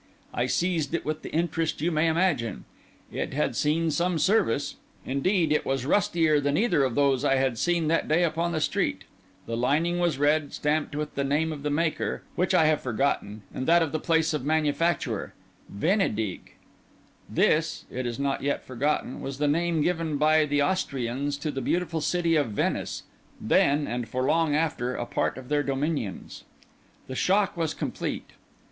I seized it with the interest you may imagine. It had seen some service; indeed, it was rustier than either of those I had seen that day upon the street. The lining was red, stamped with the name of the maker, which I have forgotten, and that of the place of manufacture, Venedig. This (it is not yet forgotten) was the name given by the Austrians to the beautiful city of Venice, then, and for long after, a part of their dominions. The shock was complete.